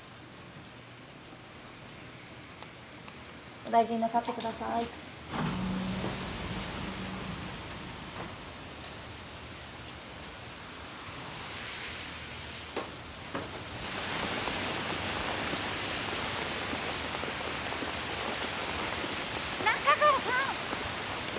お大事になさってください仲川さん！